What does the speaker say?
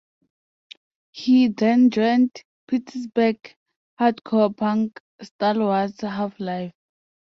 He then joined Pittsburgh hardcore punk stalwarts Half Life.